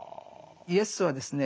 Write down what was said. イエスはですね